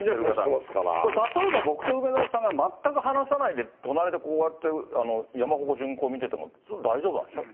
これ、例えば、僕と海沢さんが、全く話さないで、隣でこうやって山鉾巡行見てても、大丈夫なんでしょう？